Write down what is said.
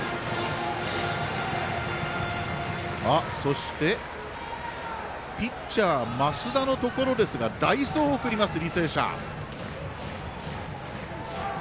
そして、ピッチャー増田のところですが代走を送ります、履正社。